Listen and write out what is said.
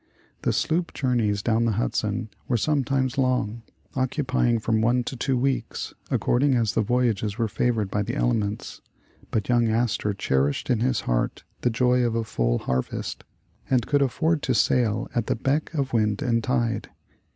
The sloop journeys down the Hudson were sometimes long, occupying from one to two weeks, ac cording as the voyagers were favored by the elements; but young Astor cherished in his heart the joy of a full harvest, and could afford to sail at the beck of wind and tide.